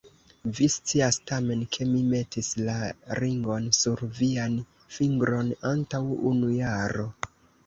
Vi scias tamen, ke mi metis la ringon sur vian fingron antaŭ unu jaro.